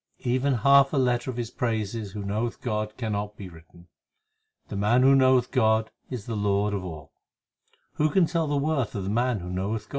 Even half a letter of his praises who knoweth God cannot be written The man who knoweth God is the lord of all Who can tell the worth of the man who knoweth God